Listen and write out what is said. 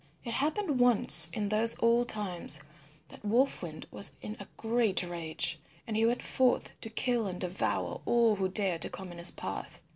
It happened once in those old times that Wolf Wind was in a great rage, and he went forth to kill and devour all who dared to come in his path.